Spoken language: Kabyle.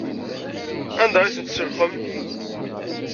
Anda ay tent-tselxem?